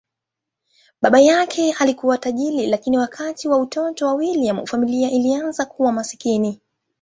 Baba yake alikuwa tajiri, lakini wakati wa utoto wa William, familia ilianza kuwa maskini.